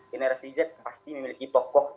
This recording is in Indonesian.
generasi z pasti memiliki pokok